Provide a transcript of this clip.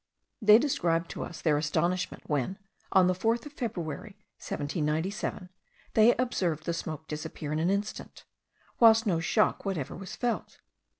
They described to us their astonishment when, on the 4th of February, 1797, they observed the smoke disappear in an instant, whilst no shock whatever was felt.